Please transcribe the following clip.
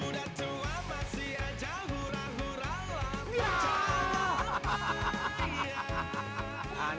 udah tua masih aja hura hura lah